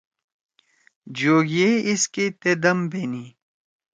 جوگئ یے ایس کے تے دم بینی۔